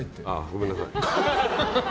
ごめんなさい。